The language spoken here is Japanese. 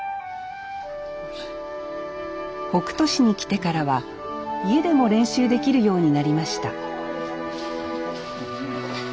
北杜市に来てからは家でも練習できるようになりました